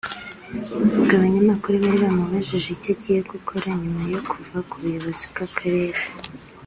ubwo abanyamakuru bari bamubajije icyo agiye gukora nyuma yo kuva ku buyobozi bw’Akarere